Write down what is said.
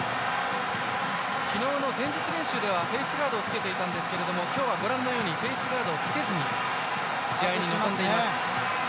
昨日の前日練習ではフェースガードをつけていたんですけど今日はご覧のようにフェースガードをつけずに試合に臨んでいます。